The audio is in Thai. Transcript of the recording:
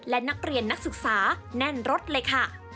และนักเรียนนักศึกษาแน่นรถเลยค่ะ